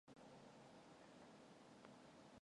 Ариун нандин байдал бол энэ ертөнцийн нууц юм.